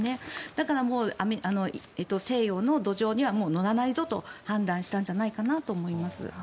だから西洋の土俵にはもう乗らないぞと判断したんじゃないかなと思います。